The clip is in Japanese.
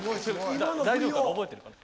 大丈夫かな覚えてるかな。